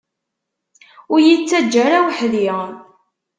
Ur iyi-ttaǧǧa ara weḥd-i!